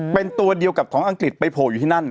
เป็นตัวเดียวกับของอังกฤษไปโผล่อยู่ที่นั่น